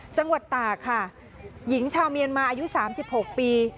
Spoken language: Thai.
จังหวัดตากค่ะหญิงชาวเมียนมาอายุ๓๖ปี